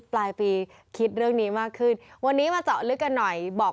ปลายปีคิดเรื่องนี้มากขึ้นวันนี้มาเจาะลึกกันหน่อยบอก